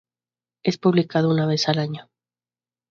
Es publicado una vez al año.